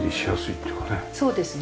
そうですね。